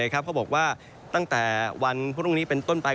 เขาบอกว่าตั้งแต่วันพรุ่งนี้เป็นต้นไป